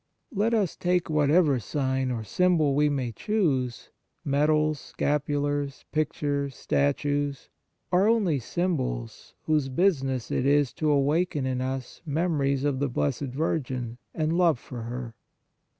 Let us take whatever 6 4 Devotions sign or symbol we may choose : medals, scapulars, pictures, statues, are only symbols, whose business it is to awaken in us memories of the Blessed Virgin and love for her.